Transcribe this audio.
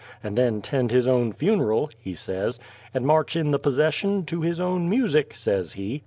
and then 'tend his own funeral," he says, "and march in the p'session to his own music," says he.